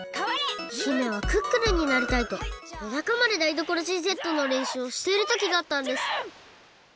姫はクックルンになりたいとよなかまでダイドコロジーＺのれんしゅうをしているときがあったんですかわれじぶん！